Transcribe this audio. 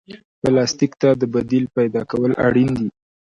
پلاستيک ته د بدیل پیدا کول اړین دي.